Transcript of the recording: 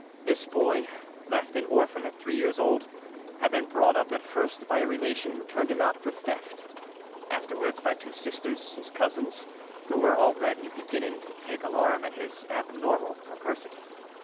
This boy, left an orphan at three years old, had been brought up at first by a relation who turned him out for theft; afterwards by two sisters, his cousins, who were already beginning to take alarm at his abnormal perversity.